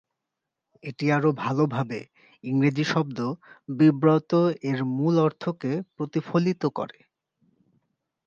এটি আরো ভালোভাবে ইংরেজি শব্দ "বিব্রত" এর মূল অর্থকে প্রতিফলিত করে।